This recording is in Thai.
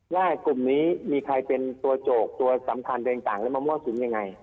ว่ากลุ่มนี้มีใครเป็นตัวโจกตัวสำคัญต่างแล้วมามั่วสุมยังไง